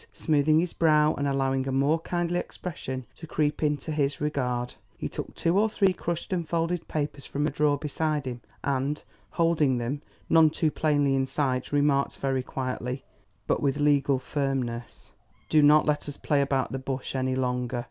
Smoothing his brow and allowing a more kindly expression to creep into his regard, he took two or three crushed and folded papers from a drawer beside him and, holding them, none too plainly in sight, remarked very quietly, but with legal firmness: "Do not let us play about the bush any longer.